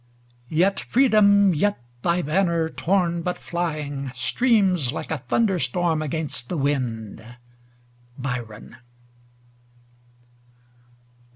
Yet Freedom, yet, thy banner torn but flying Streams like a thunder storm against the wind. Byron.